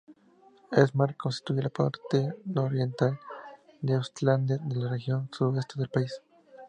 Hedmark constituye la parte nororiental de Østlandet, la región sudeste del país.